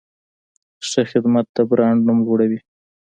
ښه خدمت د برانډ نوم لوړوي.